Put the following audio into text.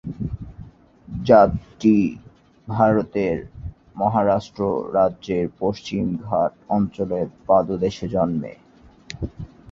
জাতটি ভারতের মহারাষ্ট্র রাজ্যের পশ্চিম ঘাট অঞ্চলের পাদদেশে জন্মে।